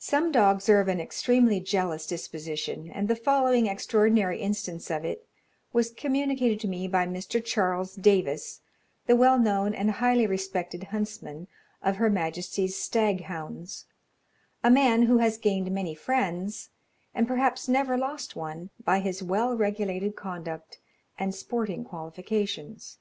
Some dogs are of an extremely jealous disposition; and the following extraordinary instance of it was communicated to me by Mr. Charles Davis, the well known and highly respected huntsman of Her Majesty's stag hounds, a man who has gained many friends, and perhaps never lost one, by his well regulated conduct and sporting qualifications.